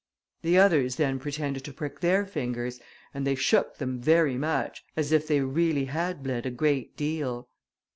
The others then pretended to prick their fingers, and they shook them very much, as if they really had bled a great deal.